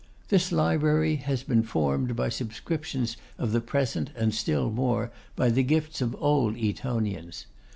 This Library has been formed by subscriptions of the present and still more by the gifts of old Etonians.